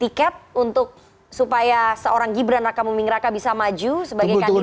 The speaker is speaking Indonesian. tiket untuk supaya seorang gibran raka buming raka bisa maju sebagai kandidat